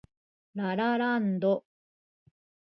ラ・ラ・ランド